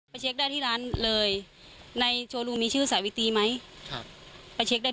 เช็คได้ที่ร้านเลยในโชว์รูมีชื่อสาวิตรีไหมครับไปเช็คได้